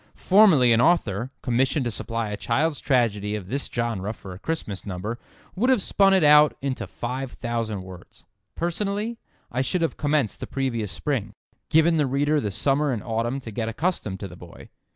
Formerly an author, commissioned to supply a child's tragedy of this genre for a Christmas number, would have spun it out into five thousand words. Personally, I should have commenced the previous spring—given the reader the summer and autumn to get accustomed to the boy.